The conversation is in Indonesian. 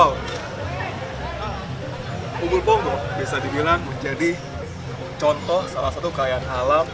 umbul ponggok bisa dibilang menjadi contoh salah satu kelayaan alam